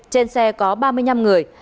trên xe có ba mươi năm người